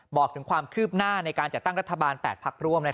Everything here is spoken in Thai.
บอกถึงความคืบหน้าในการจัดตั้งรัฐบาล๘พักร่วม